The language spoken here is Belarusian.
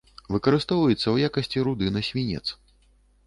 Выкарыстоўваецца ў якасці руды на свінец.